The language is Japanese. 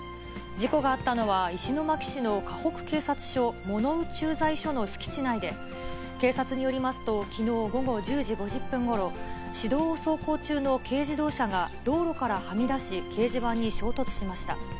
事故があったのは、石巻市の河北警察署桃生駐在所の敷地内で、警察によりますときのう午後１０時５０分ごろ、市道を走行中の軽自動車が、道路からはみ出し、掲示板に衝突しました。